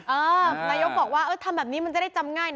นายกบอกว่าทำแบบนี้มันจะได้จำง่ายนะ